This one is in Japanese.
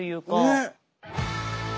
ねっ。